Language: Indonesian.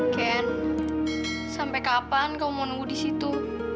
ken sampai kapan kamu mau nunggu di situ